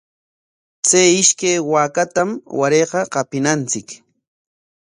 Chay ishkay waakatam warayqa qapinachik.